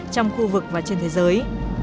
trong khu vực và trên thế giới